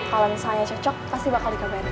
kalau misalnya cocok pasti bakal dikabarin